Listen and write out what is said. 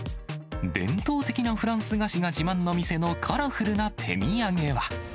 伝統的なフランス菓子が自慢の店のカラフルな手土産は。